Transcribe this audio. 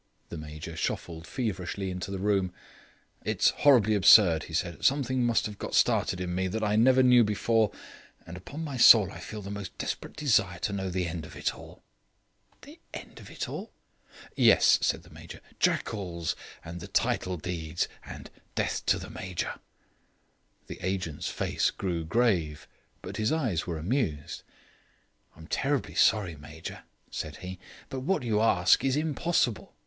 The Major shuffled feverishly into the room. "It's horribly absurd," he said. "Something must have got started in me that I never knew before. But upon my soul I feel the most desperate desire to know the end of it all." "The end of it all?" "Yes," said the Major. "'Jackals', and the title deeds, and 'Death to Major Brown'." The agent's face grew grave, but his eyes were amused. "I am terribly sorry, Major," said he, "but what you ask is impossible.